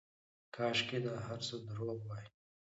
کاشکې دا هرڅه درواغ واى.